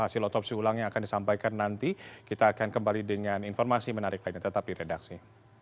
hasil otopsi ulang yang akan disampaikan nanti kita akan kembali dengan informasi menarik lainnya tetap di redaksi